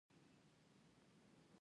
په پښتو کې ډېر وخت